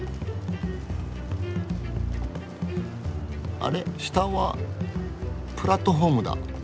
あれ下はプラットホームだ。